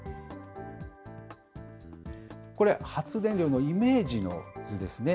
これ、発電量のイメージの図ですね。